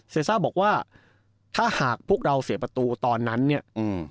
ซ่าบอกว่าถ้าหากพวกเราเสียประตูตอนนั้นเนี่ยอืม